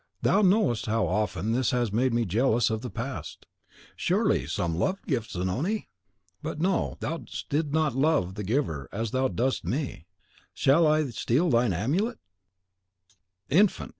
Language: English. "Thou knowest how often this has made me jealous of the past; surely some love gift, Zanoni? But no, thou didst not love the giver as thou dost me. Shall I steal thine amulet?" "Infant!"